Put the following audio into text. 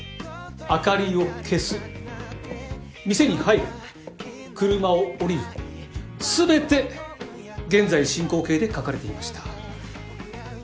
「明かりを消す」「店に入る」「車を降りる」全て現在進行形で書かれていました。